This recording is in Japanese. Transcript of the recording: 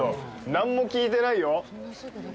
何も聞いてないよ。